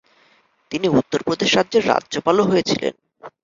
তিনি উত্তরপ্রদেশ রাজ্যের রাজ্যপালও হয়েছিলেন।